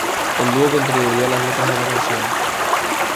El dúo contribuyó a las letras de la canción.